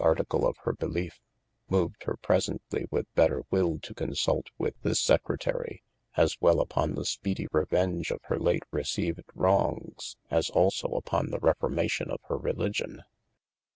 article of hir beleefe, moved hir presently with better will to consult with this Secretary, aswel upon the speedy revenge of hir late received wrongs as also upon the reformation of hir religion.